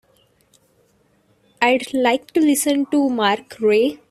I'd like to listen to mark rae